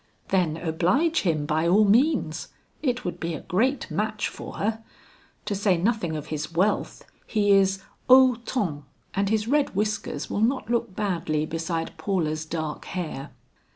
then oblige him by all means; it would be a great match for her. To say nothing of his wealth, he is haut ton, and his red whiskers will not look badly beside Paula's dark hair."